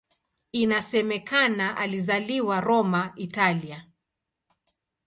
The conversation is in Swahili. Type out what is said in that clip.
Inasemekana alizaliwa Roma, Italia.